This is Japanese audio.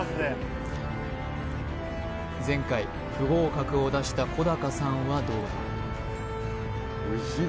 前回不合格を出した小高さんはどうだ？